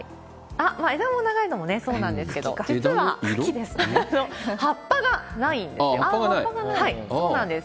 あっ、枝も長いのもそうなんですけど、実は、葉っぱがないんあっ、そうなんです。